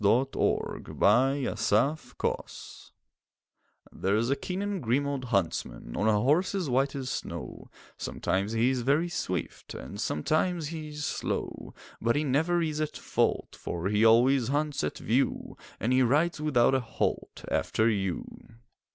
THE OLD HUNTSMAN There's a keen and grim old huntsman On a horse as white as snow; Sometimes he is very swift And sometimes he is slow. But he never is at fault, For he always hunts at view And he rides without a halt After you.